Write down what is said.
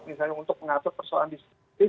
misalnya untuk mengatur persoalan distribusi